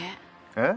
えっ。